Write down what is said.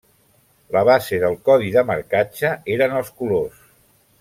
La base del codi de marcatge eren els colors.